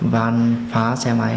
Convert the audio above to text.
van phá xe máy